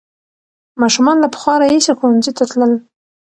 ماشومان له پخوا راهیسې ښوونځي ته تلل.